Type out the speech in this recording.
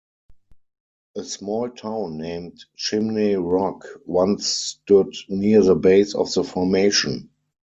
A small town named Chimney Rock once stood near the base of the formation.